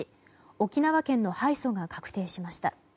沖縄県の敗訴が確定しました。